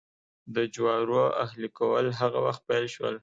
د جوارو اهلي کول هغه وخت پیل شول.